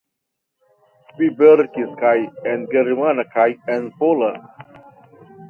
Li verkis kaj en germana kaj en pola.